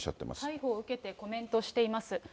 逮捕を受けてコメントしています。